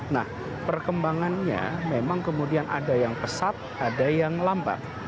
nah perkembangannya memang kemudian ada yang pesat ada yang lambat